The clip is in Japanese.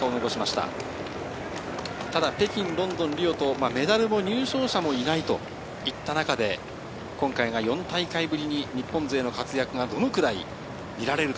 ただ北京、ロンドン、リオとメダルも入賞者もいない、その中で今回が４大会ぶりに日本勢の活躍がどのくらい見られるか。